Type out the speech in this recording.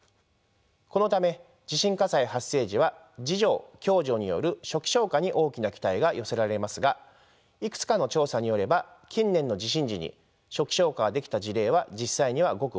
このため地震火災発生時は自助共助による初期消火に大きな期待が寄せられますがいくつかの調査によれば近年の地震時に初期消火ができた事例は実際にはごく僅かです。